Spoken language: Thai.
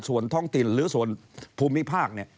ส่วนท้องตินหรือส่วนภูมิภาคเนี่ย